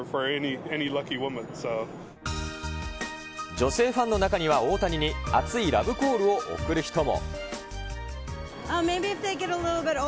女性ファンの中には大谷に熱いラブコールを送る人も。